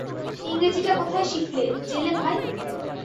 ইংরেজিটা কোথায় শিখলে, জেলে ভাই?